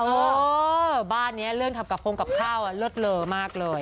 เออบ้านนี้เรื่องทำกระโปรงกับข้าวเลิศเลอมากเลย